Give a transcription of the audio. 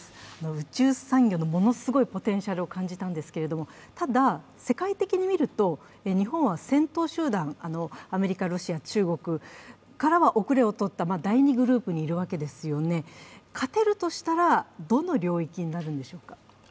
宇宙産業のものすごいポテンシャルを感じたんですけれども、ただ世界的に見ると、日本は先頭集団アメリカ、ロシア、中国からは後れを取った、第２グループにいるわけですよね勝てるとしたらどの領域になるのでしょうか？